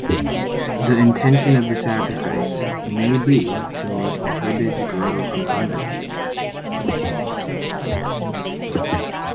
The intention of the sacrifice may be to make the herbage grow abundantly.